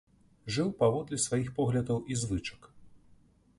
Жыў паводле сваіх поглядаў і звычак.